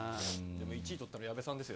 １位取ったの矢部さんですよ